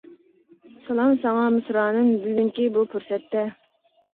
سالام ساڭا مىسرانىم بۈگۈنكى بۇ پۇرسەتتە!